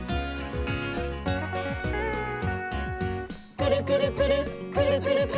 「くるくるくるっくるくるくるっ」